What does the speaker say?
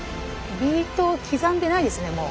ビートを刻んでないですねもう。